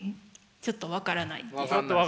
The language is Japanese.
ちょっと分からないね。